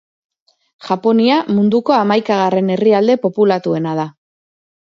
Japonia munduko hamaikagarren herrialde populatuena da.